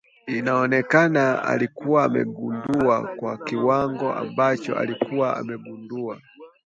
inaonekana alikuwa amegundua kwa kiwango ambacho alikuwa amegundua